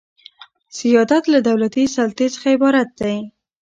سیادت له دولتي سلطې څخه عبارت دئ.